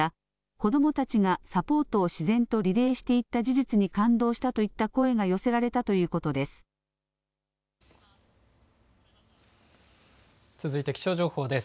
子どもたちがサポートを自然とリレーしていった事実に感動したといった声が寄せられたということです。